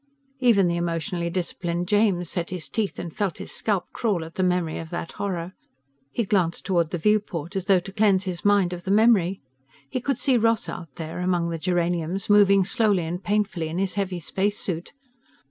Even the emotionally disciplined James set his teeth and felt his scalp crawl at the memory of that horror. He glanced toward the viewport, as though to cleanse his mind of the memory. He could see Ross out there, among the geraniums, moving slowly and painfully in his heavy spacesuit.